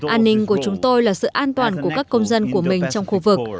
an ninh của chúng tôi là sự an toàn của các công dân của mình trong khu vực